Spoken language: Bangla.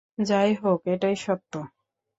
যাই হোক, এটাই সত্য।